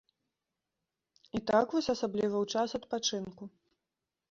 І так вось асабліва ў час адпачынку.